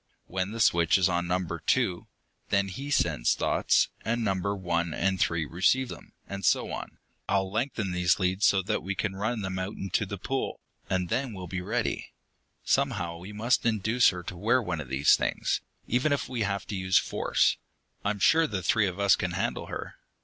When the switch is on Number Two, then he sends thoughts, and Numbers One and Three receive them. And so on. I'll lengthen these leads so that we can run them out into the pool, and then we'll be ready. Somehow we must induce her to wear one of these things, even if we have to use force. I'm sure the three of us can handle her."